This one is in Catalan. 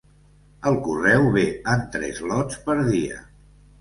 El correu ve en tres lots per dia.